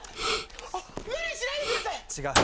あっ無理しないでください。